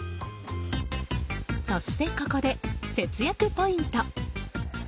そして、ここで節約ポイント。